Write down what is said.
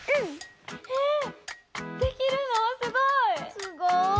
すごい！